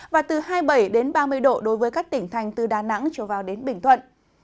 và từ hai mươi bảy đến ba mươi độ đối với các tỉnh thành từ đà nẵng trở vào đến bình thuận